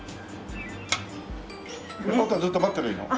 あとはずっと待ってりゃいいの？